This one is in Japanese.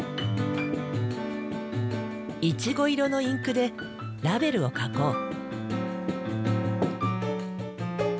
イチゴ色のインクでラベルを書こう。